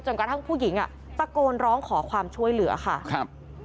จนกระทั่งผู้หญิงตะโกนร้องขอความช่วยเหลือค่ะ